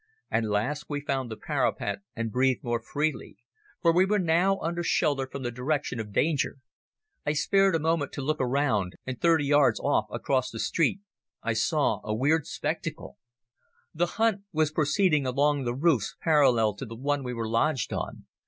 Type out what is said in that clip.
At last we found the parapet and breathed more freely, for we were now under shelter from the direction of danger. I spared a moment to look round, and thirty yards off, across the street, I saw a weird spectacle. The hunt was proceeding along the roofs parallel to the one we were lodged on.